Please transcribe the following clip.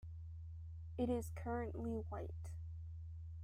It is currently white.